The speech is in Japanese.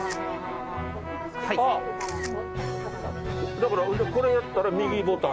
だからこれやったら右ボタン。